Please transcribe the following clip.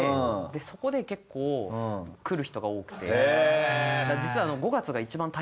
そこで結構くる人が多くて。